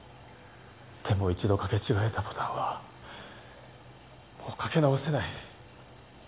でも一度かけ違えたボタンはもうかけ直せない。